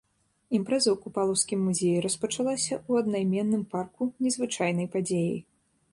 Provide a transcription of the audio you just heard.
Імпрэза ў купалаўскім музеі распачалася ў аднайменным парку незвычайнай падзеяй.